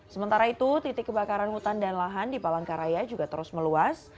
sementara itu titik kebakaran hutan dan lahan di palangkaraya juga terus meluas